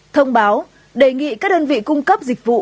thông báo đề nghị các đơn vị cung cấp dịch vụ